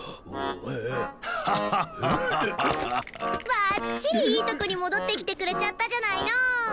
バッチリいいとこに戻ってきてくれちゃったじゃないの！